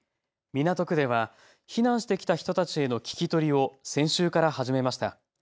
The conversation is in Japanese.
港区では避難避難してきた人たちへの聞き取りを先週から始めました。